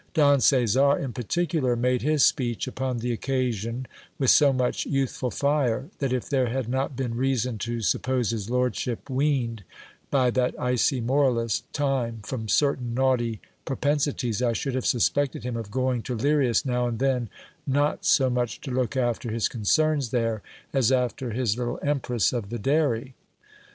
Don Caesar, in particular, made his speech upon the occasion with so much youthful fire, that if there had not been reason to sup pose his lordship weaned, by that icy moralist, time, from certain naughty pro pensities, I should have suspected him of going to Lirias now and then, not so much to look after his concerns there, as after his little empress of the dairy.